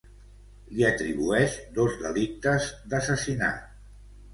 Li atribueix dos delictes d’assassinat.